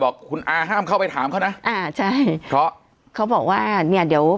บอกคุณอาห้ามเข้าไปถามเขานะอ่าใช่เพราะเขาบอกว่าเนี้ยเดี๋ยว